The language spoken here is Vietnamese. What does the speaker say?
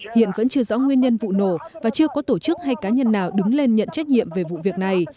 hiện vẫn chưa rõ nguyên nhân vụ nổ và chưa có tổ chức hay cá nhân nào đứng lên nhận trách nhiệm về vụ việc này